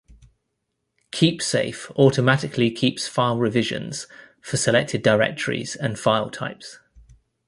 KeepSafe automatically keeps file revisions for selected directories and file types.